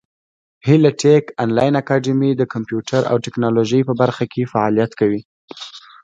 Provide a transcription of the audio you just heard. هیله ټېک انلاین اکاډمي د کامپیوټر او ټبکنالوژۍ په برخه کې فعالیت کوي.